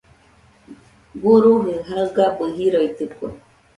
Guruji jaigabɨ jiroitɨkue.